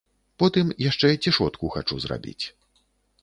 Потым яшчэ цішотку хачу зрабіць.